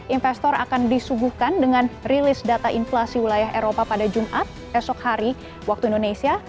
investor akan disuguhkan dengan rilis data inflasi wilayah eropa pada jumat esok hari waktu indonesia